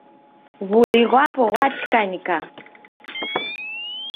W'uli ghwapo ghwachikanyika.